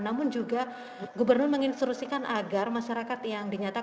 namun juga gubernur menginstrusikan agar masyarakat yang dinyatakan